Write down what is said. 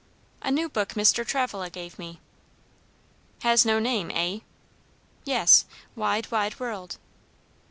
"A new book Mr. Travilla gave me." "Has no name, eh?" "Yes, 'Wide, Wide World.'"